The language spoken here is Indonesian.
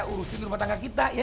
urusin rumah tangga kita ya